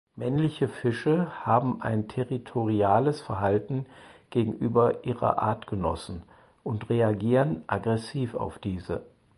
Männliche Fische haben ein territoriales Verhalten gegenüber ihrer Artgenossen und reagieren aggressiv auf diese.